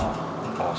ああ